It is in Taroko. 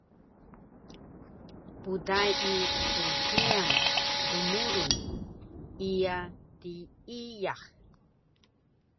Pdai snhiyan dmurun, iya tiiyax